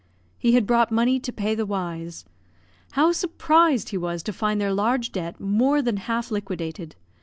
He had brought money to pay the Y y's. How surprised he was to find their large debt more than half liquidated.